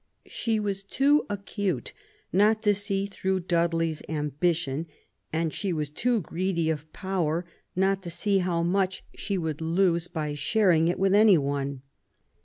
She was too acute not to see through Dudley's ambition, and she was too greedy of power not to see how much she would lose by sharing it with any one.